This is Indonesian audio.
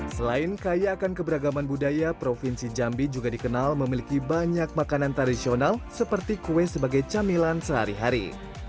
selain kaya akan keberagaman budaya provinsi jambi juga dikenal memiliki banyak makanan tradisional seperti kue sebagai camilan sehari hari